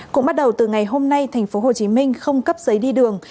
cũng bắt đầu từ ngày hôm nay thành phố hồ chí minh không cấp giấy đi đường